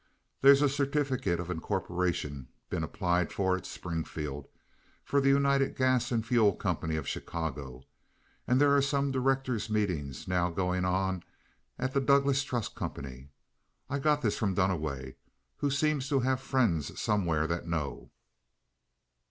There's a certificate of incorporation been applied for at Springfield for the United Gas and Fuel Company of Chicago, and there are some directors' meetings now going on at the Douglas Trust Company. I got this from Duniway, who seems to have friends somewhere that know."